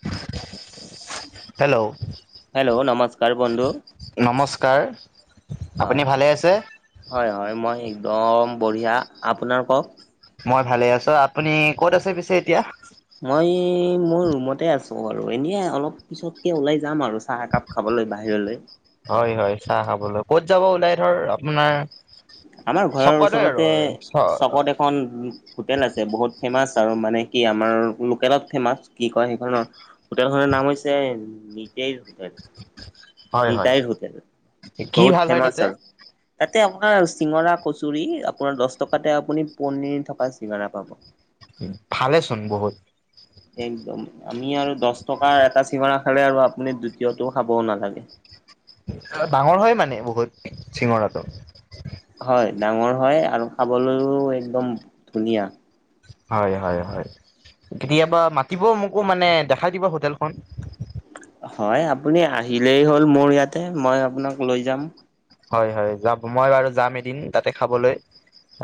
[inaudible] Hello, hello নমস্কাৰ বন্ধু ' নমস্কাৰ। হয়। আপুনি ভালে আছে? হয় হয়, মই একদম বঢ়িয়া আপোনাৰ কওঁক? মই ভালে আছো, আপুনি ক'ত আছে পিছে এতিয়া? মই মোৰ ৰুমতে আছো বাৰু এনেই অলপ পিছতকে ওলাই যাম আৰু চাহ একাপ খাবলে বাহিৰলে। হয় হয় চাহ খাবলৈ। ক'ত যাব ওলাই ধৰ আপোনাৰ- আমাৰ ঘৰৰ চকতে আৰু ওচৰতে চকত এখন হোটেল আছে বহুত ফেমাচ আৰু মানে কি আমাৰ লোকেলত ফেমাচ কি কয় সেইখনৰ হোটেলখনৰ নাম হৈছে নিতেল হোটেল। হয় হয় নিতাইৰ হোটেল কি বহুত ভাল হয় ফেমাচ তাতে? আৰু। তাতে আপোনাৰ চিঙৰা কচুৰি আপোনাৰ দছ টকাতে আপুনি পনিৰ থকা চিঙৰা পাব। ভালেচোন বহুত। একদম, আমি আৰু দছ টকাৰ এটা চিঙৰা খালে আৰু আপুনি দ্বিতীয়টো খাবও নালাগে। হা ডাঙৰ হয় মানে বহুত চিঙৰাটো। হয় ডাঙৰ হয়, আৰু খাবলৈও একদম ধুনীয়া। হয় হয় হয়, কেতিয়াবা মাতিব মোকো মানে দেখাই দিব হোটেলখন। হয়, আপুনি আহিলেই হ'ল মোৰ ইয়াতে মই আপোনাক লৈ যাম। হয় হয় যাম। মই বাৰু যাম এদিন তাতে খাবলৈ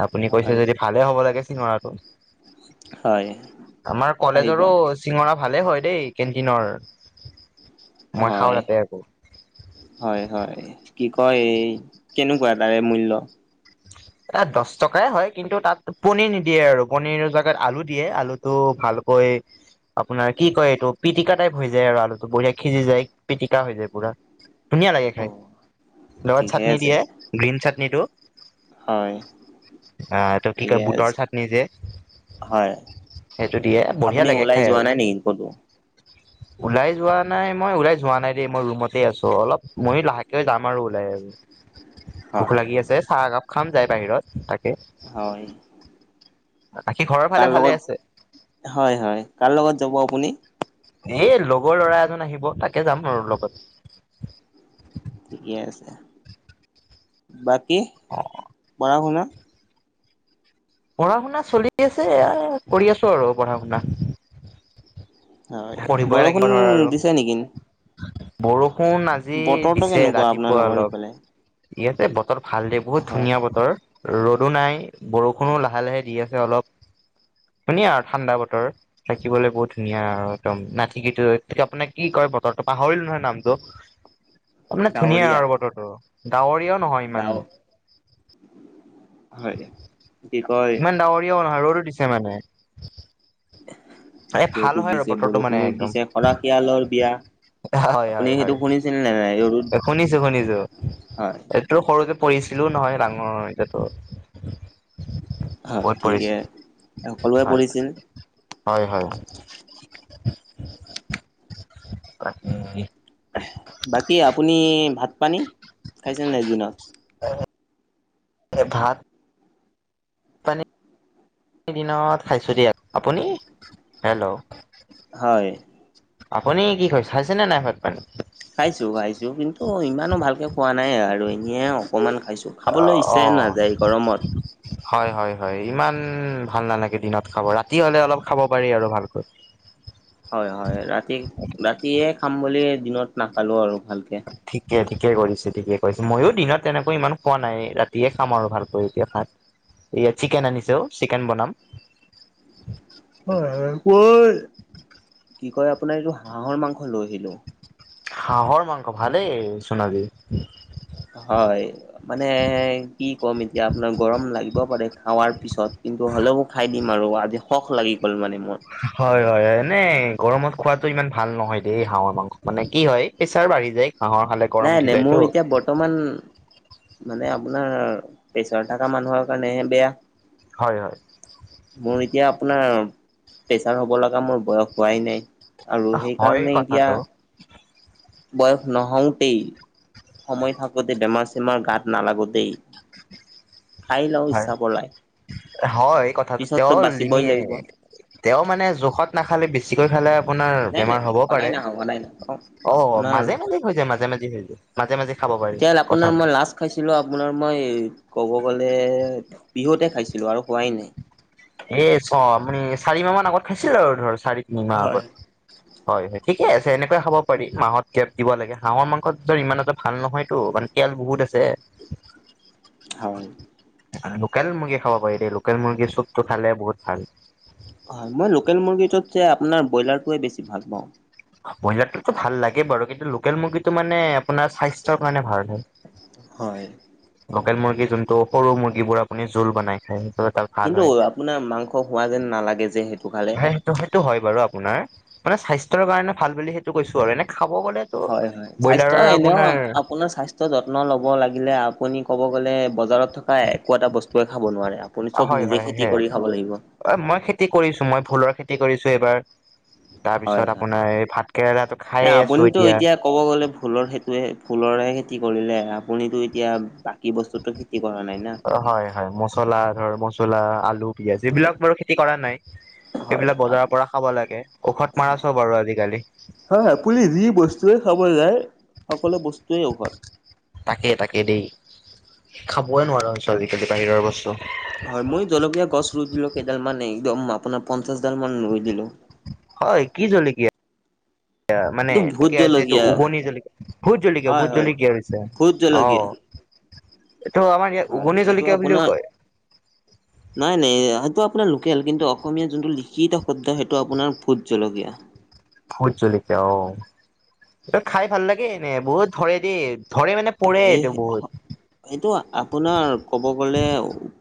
আপুনি কৈছে হয় যদি- ভালে হ'ব লাগে চিঙৰাটো, হয় আমাৰ আহিব কলেজৰো চিঙৰা ভালে হয় দেই কেণ্টিনৰ মই খাওঁ হয় তাতে আকৌ হয় হয় কি কয় এই কেনেকুৱা তাৰে মূল্য। ইয়াত দহ টকাই হয় কিন্তু তাত পনীৰ নিদিয়ে আৰু পনিৰৰ জেগাত আলু দিয়ে আলু টো ভালকৈ আপোনাৰ কি কয় এইটো পিটিকা টাইপ হৈ যায় আৰু আলুটো বঢ়িয়া সিজি যায় পিটিকা হৈ যায় পুৰা ধুনীয়া লাগে খাই লগত ঠিকে চাটনি আছে দিয়ে গ্ৰীণ চাটনিটো। হয়। অহ তই কি ঠিকে কয় বুটৰ আছে চাটনি যে। হয়। সেইটো দিয়ে বঢ়িয়া আপুনি লাগে ওলাই খাই যোৱা আৰু, নাই নেকি ক'তো? ওলাই যোৱা নাই মই ওলাই যোৱা নাই দেই মই ৰুমতে আছো অলপ ময়ো লাহেকে যাম আৰু ওলাই আহ- ভোক হয় লাগি আছে চাহ একাপ খাম যায় বাহিৰত তাকে। হয়। বাকী ঘৰৰ কাৰ ফালে লগত ভালে আছে। হয় হয় কাৰ লগত যাব আপুনি। এ লগৰ ল'ৰা এজন আহিব তাকে যাম আৰু লগত। ঠিকে আছে বাকী পঢ়া শুনা- পঢ়া শুনা চলি আছে কৰি আছো আৰু পঢ়া শুনা। হয় পঢ়িবই লাগিব বৰষুণ ধৰ আৰু দিছে নেকি? বৰষুণ আজি বতৰটো দিছে কেনেকুৱা ৰাতিপুৱা আপোনালোকৰ অলপ। সিফালে? ই আছে বতৰ ভাল দে বহুত হয় ধুনীয়া বতৰ- ৰ'দো নাই বৰষুণো লাহে লাহে দি আছে অলপ। ধুনীয়া আৰু ঠাণ্ডা বতৰ থাকিবলে বহুত ধুনীয়া আৰু- একদম নাথিকি আপোনাক কি কৰে বতৰটো পাহৰিলো নহয় নামটো। তাৰমানে ধুনীয়া ডাৱৰীয়া আৰু বতৰটো ডাৱৰীয়াও নহয় ইমান। ডাৱ হয়। কি কয় ইমান ডাাৱৰীয়াও নহয় ৰ'দো দিছে মানে। [inaudible] এই ভাল ৰ'দো হয় দিছে বতৰটো মানে বৰষুণো একদম- দিছে খৰাশিয়ালৰ বিয়া হয় আপুনি হয় সেইটো হয় শুনিছিল নে নাই ৰ'দ শুনিছো শুনিছো। হয় তো সৰুতে পঢ়িছিলোও নহয় ডাঙৰ এতিয়াতো- হয় বহুত ঠিকে পৰিছে সকলোৱে হয় পঢ়িছিল হয় হয়। বাকী এইয়ে- বাকী আপুনি ভাত পানী খাইছে নাই দিনত। হে ভাত- পানী দিনত খাইছো দিয়া, আপুনি হেল্ল'- হয়। আপুনি কি খয় খাইছেনে নাই হয় ভাত পানী- খাইছো খাইছো কিন্তু ইমানো ভালকে খোৱা নাই আৰু এনেই আঔ অকনমান খাইছো। খাবলৈ ইচ্ছাই নাযায় গৰমত। হয়-হয়-হয়, ইমান ভাল নালাগে দিনত খাব ৰাতি হলে অলপ খাব পাৰি আৰু ভালকৈ। হয়-হয় ৰাতি-ৰাতিয়ে খাম বুলি দিনত নাখালো আৰু ভালকে। ঠিকে-ঠিকে কৰিছে ঠিকে কৰিছে, মইয়ো দিনত তেনেকৈ ইমান খোৱা নাই ৰাতিয়ে খাম আৰু ভালকৈ এতিয়া ভাত। এয়া চিকেন আনিছে অ চিকেন বনাম। হয়-হয়, কৈ- কি কয় আপোনাৰ এইটো হাঁহৰ মাংস লৈ আহিলোঁ। [inaudible] হাঁহৰ মাংস ভালেই চোন আজি। [inaudible] হয়। মানে কি কম এতিয়া আপোনাক, গৰম লাগিব পাৰে খাৱাৰ পিছত কিন্তু হ'লেও [unintelligible] খাই দিম আৰু আজি সখ লাগি গ'ল মানে মোৰ। [inaudible] হয়-হয়-হয় এনেই গৰমত খোৱাটো ইমান ভাল নহয় দেই হাঁহৰ মাংস মানে কি হয় প্ৰেছাৰ বাঢ়ি যায়, হাঁহৰ খালে। [unintelligible] নাই-নাই যায়তো মোৰ এতিয়া [unintelligible] বৰ্তমান মানে আপোনাৰ প্ৰেছাৰ থকা মানুহৰ কাৰণেহে বেয়া। [inaudible] হয়-হয়। মোৰ এতিয়া আপোনাৰ প্ৰেছাৰ হ'ব লগা মোৰ বয়স হোৱাই নাই। আৰু হয় সেইকাৰণে এতিয়া কথাটো [inaudible] বয়স নহওঁতেই সময় থাকোঁতে বেমাৰ-চেমাৰ গাত নালাগোতেই [unintelligible] খাই লওঁ হয় ইচ্ছা পলাই [inaudible] হয় এই কথাটো পিছততো তেওঁৰ বাচিবই লিমিয়ে লাগিব [unintelligible] তেওঁ মানে জোখত নাখালে বেছিকৈ খালে আপোনাৰ নাই নাই বেমাৰ নাই হ'ব সদায় পাৰে। নাখাওঁ সদায় নাখাওঁ অ আপোনাৰ মাজে-মাজে হৈ যায়, মাজে-মাজে হৈ যায়। মাজে-মাজে খাব পাৰি। এতিয়া কথা [inaudible] আপোনাৰ মই লাষ্ট খাইছিলোঁ আপোনাৰ মই ক'ব গ'লে বিহুতে খাইছিলোঁ আৰু খোৱাই নাই। [unintelligible] এ চ মানে চাৰিমাহ মান আগত খাইছিল আৰু ধৰ চাৰি, তিনি মাহ হয়। আগত [unintelligible] হয়-হয় ঠিকে আছে এনেকৈ খাব পাৰি মাহত গেফ দিব লাগে, হাঁহৰ মাংস ইমান এটা ভাল নহয়তো মানে [inaudible] তেল বহুত আছে। [inaudible] হয়। লোকেল মুৰ্গী খাব পাৰি দেই, লোকেল মুৰ্গীৰ চুপটো খালে বহুত ভাল। [inaudible] হয়। মই লোকেল মুৰ্গীটোতকে আপোনাৰ ব্ৰইলাৰটোৱে বেছি ভাল পাওঁ। [inaudible] ব্ৰইলাৰটোতো ভাল লাগে বাৰু, কিন্তু লোকেল মুৰ্গীটো মানে আপোনাৰ স্বাস্থ্যৰ কাৰণে ভাল হয়। [inaudible] হয়। লোকেল মুৰ্গী যোনটো সৰু মুৰ্গীবোৰ আপুনি জোল বনাই খায়। যত [unintelligible] কিন্তু আপোনাৰ মাংস হোৱা যেন নালাগে যে সেইটো [inaudible] হয়, সেইটো-সেইটো হয় বাৰু আপোনাৰ মানে স্বাস্থ্যৰ কাৰণে ভাল বুলি সেইটো কৈছো আৰু এনে খাব গ'লে [unintelligible] হয়-হয় স্বাস্থ্য এনেও [unintelligible] আপোনাৰ স্বাস্থ্য যত্ন ল'ব লাগিলে, আপুনি ক'ব গ'লে বজাৰত থকা একো এটা বস্তুৱে খাব নোৱাৰে [unintelligible] আপুনি চব নিজে খেতি কৰি খাব লাগিব। অ মই খেতি কৰিছো, মই ভুলৰ খেতি কৰিছো এইবাৰ। তাৰ হয় পিছত হয়। আপোনাৰ এই ভাত কেৰেলাটো এ খাইয়ে আছো আপুনিতো এতিয়া। [unintelligible] ক'ব গ'লে ভুলৰ সেইটোৱেই ভুলৰহে খেতি কৰিলে আপুনিতো এতিয়া বাকী বস্তুতো খেতি কৰা নাই না। [unintelligible] অ হয়-হয় মছলা ধৰ মছলা, আলু, পিয়াজ হয়। এইবিলাক বাৰু খেতি কৰা নাই। [unintelligible] হয় এইবিলাক আপ বজাৰৰ পৰা খাব লাগে, ঔষধ মাৰা চব আৰু আজিকালি। [inaudible] হয়-হয় আপুনি যি বস্তুয়ে খাব যায় সকলো বস্তুয়েই ঔষধ। [unintelligible] তাকে-তাকে দেই, খাবই নোৱাৰা হৈছো আজিকালি বাহিৰৰ বস্তু। [unintelligible] হয় মই জলকীয়া গছ ৰুই দিলোঁ কেইডালমান এই একদম আপোনাৰ পঞ্চাছডাল মান ৰুই দিলোঁ। [unintelligible] হয় কি জলকীয়া? [unintelligible] মানে এইটো ভোট কি আছে এইটো জলকীয়া উগনি জলকীয়া [unintelligible] ভূত জলকীয়া, হয় ভূত হয় জলকীয়া হৈছে ভোট অ জলকীয়া এইটো আমাৰ [inaudible] [unintelligible] হয় উগনি জলকীয়া বুলিও কয়। নাই-নাই, সেইটো আপোনাৰ লোকেল কিন্তু অসমীয়া যোনটো লিখিত শব্দ সেইটো আপোনাৰ ভোত জলকীয়া। ভোট জলকীয়া অহ খাই ভাল লাগে এনেই বহুত ধৰে দেই ধৰে মানে পৰে এই এইটো অহ বহুত এইটো আপোনাৰ ক'ব গ'লে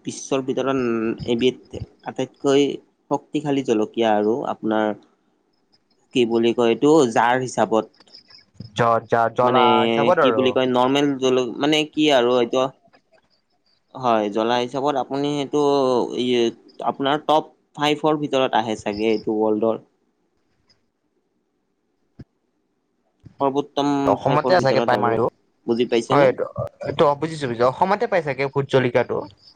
বিশ্বৰ ভিতৰত না এবিধ আটাইতকৈ শক্তিশালী জলকীয়া আৰু আপোনাৰ কি বুলি কয় এইটো ঝাল হিচাপত [unintelligible] চাৰ মানে কি বুলি কয় নৰ্মেল জলক মানে কি আৰু এইটো হয় জ্বলা হিচাপত আপুনি সেইটো ই আপোনাৰ টপ ফাইভৰ ভিতৰত আহে চাগে এইটো ৱৰ্ল্ডৰ সৰ্বোত্তম ফাইভৰ অসমতে চাগে ভিতৰত পাই আৰু মাৰে অহ বুজি পাইছেনে? হয় এইটো অহ বুজিছো অসমতে পাই চাগে ভোট জলকীয়া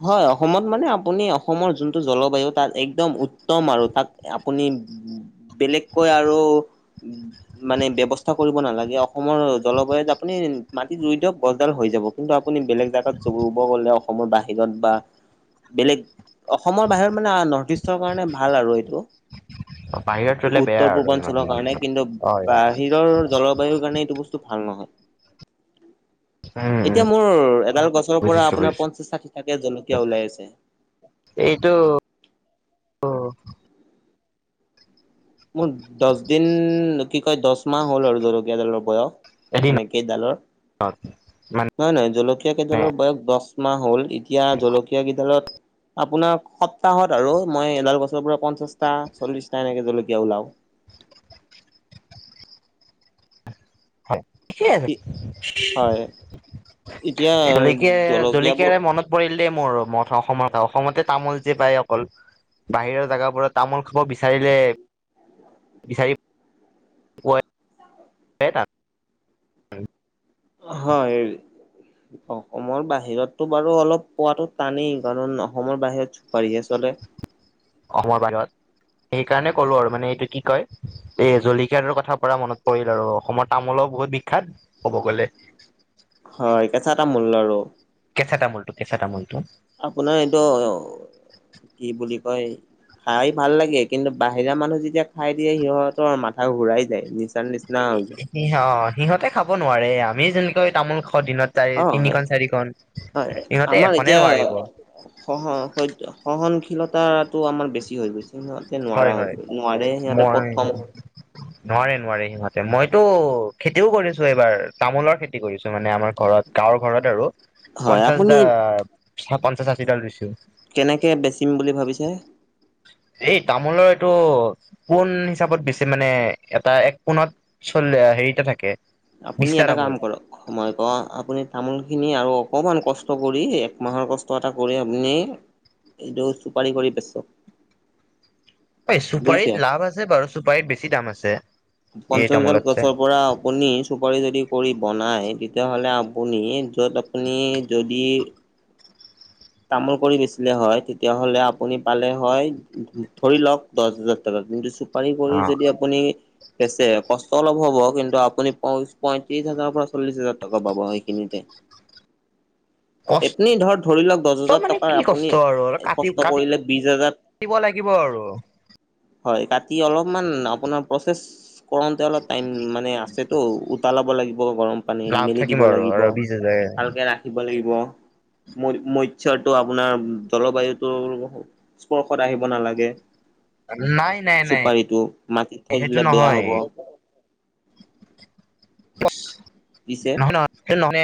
হয় অসমত মানে আপুনি অসমৰ যোনটো জলবায়ু তাত একদম উত্তম আৰু তাত আপুনি বেলেগকৈ আৰু উম মানে ব্যৱস্থা কৰিব নালাগে অসমৰ জলবায়ুত আপুনি মাটিত ৰুই দিয়ক গছডাল হৈ যাব কিন্তু আপুনি বেলেগ জাগাত ৰুব গ'লে অসমৰ বাহিৰত বা বেলেগ অসমৰ বাহিৰত মানে নৰ্থ ইষ্টৰ কাৰণে ভাল আৰু এইটো বাহিৰত ৰুলে বেয়া উত্তৰ আৰু ইমান। পূৰ্বাঞ্চলৰ কাৰণে কিন্তু হয় বাহিৰৰ জল বায়ু কাৰণে এইটো বস্তু ভাল নহয় উম উম এতিয়া মোৰ এডাল গছৰ পৰা বুজিছো আপোনাৰ বুজিছো পঞ্চাশ ষাঠিতা কে জলকীয়া ওলাই আছে এইটো অহ মোৰ দচ দিন কি কয় দচ মাহ হ'ল আৰু জলকীয়াডালৰ বয়স এদিনত মানে কেইডালৰ মানে নহয় নহয় জলকীয়া কেইডালৰ বয়স দচ মাহ হল এতিয়া জলকীয়া কেইডালত আপোনাৰ সপ্তাহত আৰু মই এডাল গছৰ পৰা পঞ্চাশটা চল্লিশটা এনেকে জলকীয়া ওলাও হয় ঠিক আৰু কি টি হয় এতিয়া জলকীয়াৰে জলকীয়াবোৰ জলকীয়াৰে মনত পৰিল দেই মোৰ মঠং অসমৰ ক অসমতে তামোল যে পায় অকল বাহিৰৰ জাগাবোৰত তামোল খাব বিচাৰিলে বিচাৰি পোৱা এ টান হয় ই অসমৰ বাহিৰতটো বাৰু অলপ পোৱোতো টানেই কাৰণ অসমৰ বাহিৰত পাৰি আচলতে অসমৰ বাহিৰত সেইকাৰণে কলো আৰু মানে এইটো কি কয় এ জলকীয়াৰ কথা পৰা মনত পৰিল আৰু অসমৰ তামোলও বহুত বিখ্যাত ক'ব গলে হয় কেঁচা তামোল আৰু কেঁচা তামোলটো কেঁচা তামোলটো আপোনাৰ এইটো কি বুলি কয় খাই ভাল লাগে কিন্তু বাহিৰা মানুহ যেতিয়া খাই দিয়ে সিহঁতৰ মাথা ঘূৰাই যায় নি তাৰ নিচিনা সিহ সিহঁতে খাব নোৱাৰে আমি যেনেকৈ তামোল খোৱা দিনত তাৰে অ হয় তিনিখন চাৰিখন সিহঁতে এখনে নোৱাৰিব সহন স সহনশীলতা টো আমাৰ বেছি হৈ গৈছে ন নোৱাৰা হয় হৈ হয় গৈ নোৱাৰে সিহঁতে মই প্ৰথম [unintelligible] নোৱাৰে নোৱাৰে সিহঁতে মইতো খেতিও কৰিছোঁ এইবাৰ তামোলৰ খেতি কৰিছোঁ মানে আমাৰ ঘৰত গাঁৱৰ ঘৰত আৰু হয় আপুনি পঞ্চাশডা পঞ্চাশ ষাশিডাল ৰুইছো কেনেকে বেচিম বুলি ভাবিছে এই তামোলৰ এইটো পোণ হিচাপত বেছিম মানে এটা এক পোণত চল্লে হেৰিটা থাকে। আপুনি বিশটা এটা তামোল কাম কৰক। মই কওঁ আপুনি তামোল খিনি আৰু অকমান কষ্ট কৰি এক মাহৰ কষ্ট এটা কৰি আপুনি এইটো চুপাৰি কৰি বেচক। এই বুজিছে। চুপাৰিত লাভ আছে বাৰু, চুপাৰিত বেছি দাম আছে। এই পঞ্চশডাল তামোলতছে গছৰ পৰাও আপুনি চুপাৰি যদি কৰি বনায় তেতিয়াহ'লে আপুনি য'ত আপুনি যদি তামোল কৰি বেচিলে হয় তেতিয়াহ'লে আপুনি পালে হয়, ধৰি লওঁক দহ হাজাৰ টকা কিন্তু চুপ চুপাৰি কৰি অ যদি আপুনি বেচে, কষ্ট অলপ হ'ব কিন্তু আপুনি প পয়ত্ৰিশ হাজাৰৰ পৰা চল্লিছ হাজাৰ টকা পাব এইখিনিতে। কষ্ট এইতনি ধৰ ধৰি লওঁক দহ হাজাৰ মানে টকাৰ কি কষ্ট আপুনি আৰু অলপ কাটি কষ্ট কাটিব কৰিলে বিশ হাজাৰ লাগিব আৰু হয়, কাটি অলপমান আপোনাৰ প্ৰচেছ কৰোতে অলপ টাইম মানে আছেতো, উতলাব লাগিব গৰম পানীত, লাভ মেলি থাকিব দিব আৰু লাগিব, আৰু বিশ হাজাৰ ভালকে ৰাখ খিব লাগিব। মই মই শ্বিয়ৰটো আপোনাৰ জলবায়ুটোৰ স্পৰ্শত আহিব নালাগে। নাই নাই নাই চুপাৰিটো মাটিত থৈ সেইটো দিলে বেয়া হ'ব। নহয় বছ পিছে নহয় নহয় সেন নহ'লে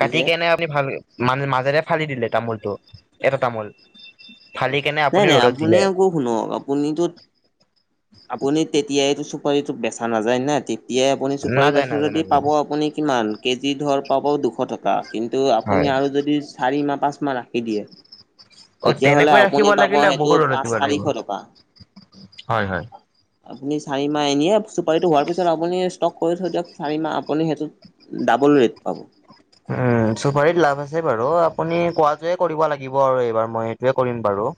কাটি কেনে খিনি ভাল মান মাজেৰে ফালি দিলে তামোলটো, এটা তামোল। ফালি কেনে নাই আপুনি নাই ৰ'দত দিলে। আকৌ শুনক, আপুনিতো আপুনি তেতিয়াইটো চুপাৰীটোক বেচা নাযায় নে তেত তিয়াই, আপুনি চুপাৰী নাযায় বেচে নাযায় যদি নাযায় পাব আপুনি কিমান কেজি ধৰ পাব দুশ টকা। কিন্তু আপুনি হয় আৰু যদি চাৰি মাহ পাঁচ মাহ ৰাখি দিয়ে অ তেতিয়াহ'লে তেনেকৈ আপুনি ৰাখিব পাব লাগিলে সেইটো বহুত ৰদত পাঁচ দিব চাৰিশ টকা। লাগিব। হয় হয়। আপুনি চাৰি মাহ এনেয়ে চুপাৰিটো হোৱাৰ পিছত আপুনি স্তক কৰি থৈ দিয়ক চাৰি মাহ আপুনি সেইটোত ডাবোল ৰেট পাব। উম। চুপাৰীত লাভ আছে বাৰু, আপুনি কোৱাটোৱে কৰিব লাগিব আৰু এইবাৰ মই সেইটোৱে কৰিম বাৰু।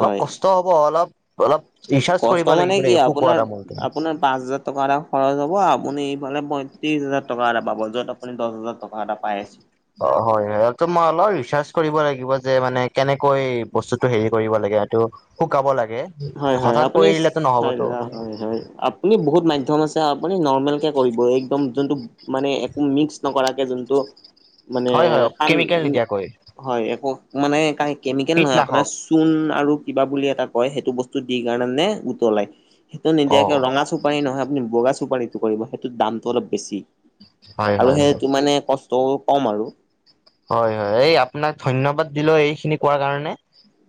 অলপ হয় কষ্ট হ'ব। অলপ, অলপ ৰিচাৰ্চ কষ্ট কৰিব মানে লাগিব কি দেই আপোনাৰ শুকুৱা তামোলটো। আপোনাৰ পাঁচ হোজাৰ টকা এটা খৰচ হ'ব আপুনি এফালে পঁয়ত্ৰিছ হাজাৰ টকা এটা পাব য'ত আপুনি দহ হাজাৰ টকা এটা পাই আছে। অ' হয় হয় হেটো মই অলপ ৰিচাৰ্চ কৰিব লাগিব যে মানে কেনেকৈ বস্তুটো হেৰি কৰিব লাগে এইটো শুকাব লাগে। হয় হয় হঠাৎ আপুনি কৰি দিলেতো চাই নহ'বতো ল হয় হয়। আপ আপুনি বহুত মাধ্যম আছে। আপুনি নৰ্মেলকে কৰিব একদম যোনটো মানে একো মিক্স নকৰাকে, যোনটো মানে হয় হয় আন কেমিকেল নিদিয়াকৈ হয়, একো মানে কাই কেমিকেল নহয়, আপোনাৰ কীটনাশক চূণ আৰু কিবা বুলি এটা কয় সেই বস্তুটো দি কাৰণে মানে উতলাই। সেইটো অ নিদিয়াকে ৰঙা চুপাৰি নহয়, আপুনি বগা চুপাৰি কৰিব সেইটোত দামটো অলপ বেছি হয় আৰু হয় হয় সেইটো মানে কষ্টও কম আৰু। হয় হয়, এই আপোনাক ধন্যবাদ দিলো, এইখিনি কোৱাৰ কাৰণে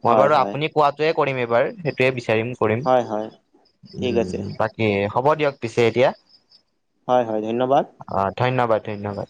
মই হয় বাৰু হয় আপুনি কোৱাটোৱে কৰিম এইবাৰ সেইটোৱে বিচাৰিম, কৰিম। হয় হয় ঠিক আছে বাক কি হ'ব দিয়ক পিছে এতিয়া। হয় হয় ধন্যবাদ। অ', ধন্যবাদ ধন্যবাদ।